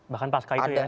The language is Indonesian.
bahkan pasca itu ya